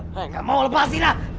nggak mau lepasin lah